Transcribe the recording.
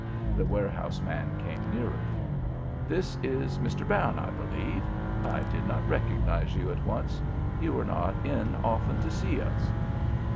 The warehouse man came nearer. "This is Mr. Brown, I believe. I did not recognize you at once. You are not in often to see us."